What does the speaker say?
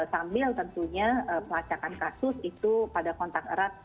sebenarnya pelacakan kasus itu pada kontak erat